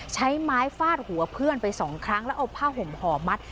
ใช้ไม้ฟาดหัวเพื่อนไปสองครั้งแล้วเอาผ้าห่มห่อมัด